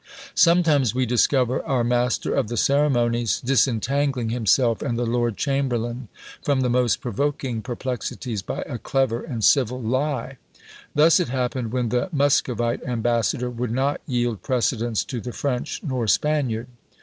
Sometimes we discover our master of the ceremonies disentangling himself and the lord chamberlain from the most provoking perplexities by a clever and civil lie. Thus it happened, when the Muscovite ambassador would not yield precedence to the French nor Spaniard.